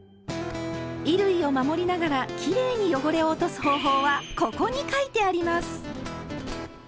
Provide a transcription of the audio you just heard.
衣類を守りながらきれいに汚れを落とす方法は「ここ」に書いてあります！